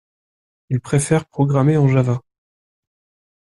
Il préfère programmer en java.